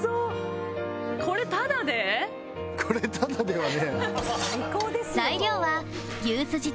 これタダではね。